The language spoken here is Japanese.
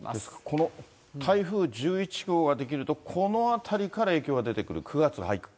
この台風１１号が出来るとこのあたりから影響が出てくる、９月入って。